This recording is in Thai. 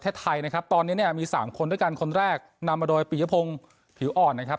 สามคนด้วยกันคนแรกนำมาโดยปียะพงผิวอ่อนนะครับ